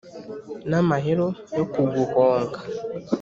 N' amahero yo kuguhonga.